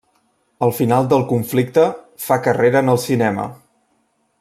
Al final del conflicte, fa carrera en el cinema.